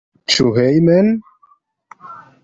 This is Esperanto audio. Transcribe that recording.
Ĉu hejmen?